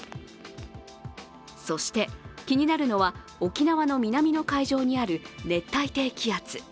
そして気になるのは沖縄南の海上にある熱帯低気圧。